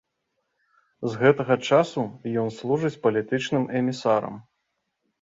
З гэтага часу ён служыць палітычным эмісарам.